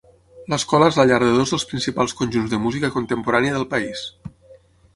L'escola és la llar de dos dels principals conjunts de música contemporània del país.